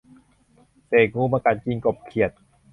เสกงูมากัดกินกบเขียด